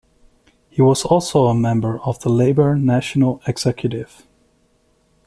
He was also a member of the Labor National Executive.